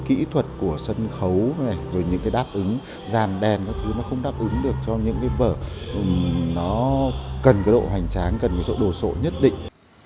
kỹ thuật của sân khấu đáp ứng dàn đèn không đáp ứng được cho những vở cần độ hoành tráng cần độ sổ nhất định